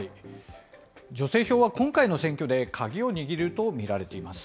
女性票は今回の選挙で鍵を握ると見られています。